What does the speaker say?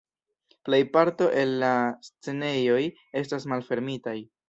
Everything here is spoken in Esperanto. Plejparto el la scenejoj estas malfermitaj.